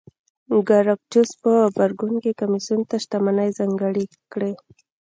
ګراکچوس په غبرګون کې کمېسیون ته شتمنۍ ځانګړې کړې